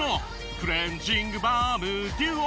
「クレンジングバームデュオ」